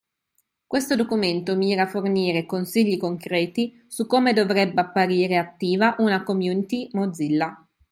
Questo documento mira a fornire consigli concreti su come dovrebbe apparire attiva una community Mozilla.